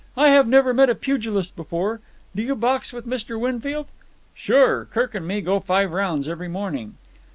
"I have never met a pugilist before. Do you box with Mr. Winfield?" "Sure. Kirk and me go five rounds every morning."